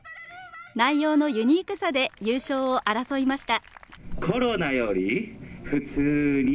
内容のユニークさで優勝を争いました。